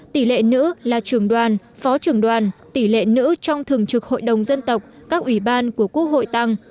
tỷ lệ nữ là trưởng đoàn phó trưởng đoàn tỷ lệ nữ trong thường trực hội đồng dân tộc các ủy ban của quốc hội tăng